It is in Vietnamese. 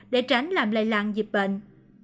để tránh làm lây lan dịp bệnh